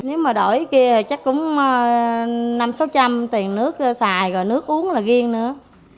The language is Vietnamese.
nếu mà đổi kia thì chắc cũng năm trăm linh sáu trăm linh tiền nước xài rồi nước uống là ghiêng nữa